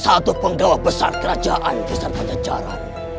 satu penggawa besar kerajaan besar penjejaran